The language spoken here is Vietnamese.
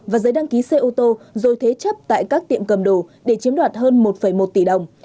và giấy đăng ký xe ô tô rồi thế chấp tại các tiệm cầm đồ để chiếm đoạt hơn một một tỷ đồng